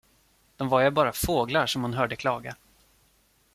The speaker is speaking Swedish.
De var ju bara fåglar, som hon hörde klaga.